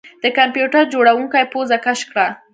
د کمپیوټر جوړونکي پوزه کش کړه